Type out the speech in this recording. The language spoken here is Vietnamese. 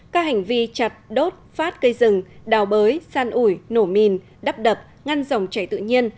các hành vi chặt đốt phát cây rừng đào bới săn ủi nổ mìn đắp đập ngăn dòng chảy tự nhiên